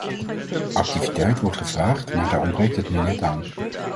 Activiteit wordt gevraagd, maar daar ontbreekt het nu net aan.